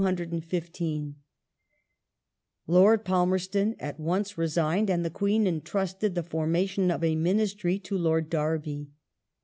The sec Lord Palmerston at once resigned, and the Queen entrusted ond Ad ^Y^Q formation of a Ministry to Lord Derby.